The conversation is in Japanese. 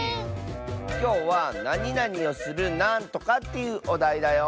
きょうはなになにをするなんとかっていうおだいだよ。